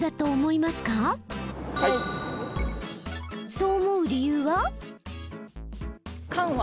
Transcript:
そう思う理由は？